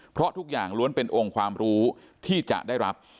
เพราะทุกอย่างล้วนเป็นองค์ความรู้ที่จะได้รับ